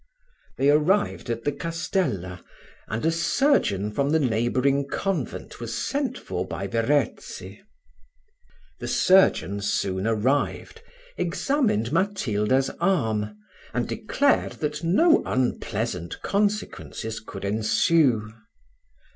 They arrived at the castella, and a surgeon from the neighbouring convent was sent for by Verezzi. The surgeon soon arrived, examined Matilda's arm, and declared that no unpleasant consequences could ensue.